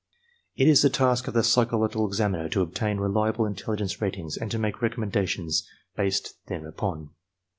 It is the task of the psychological examiner to obtain reliable intelligence ratings and to make recommendations based there upon.